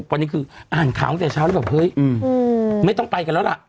วันนี้คืออ่านข่าวตั้งแต่เช้าแล้วแบบเฮ้ยไม่ต้องไปกันแล้วล่ะ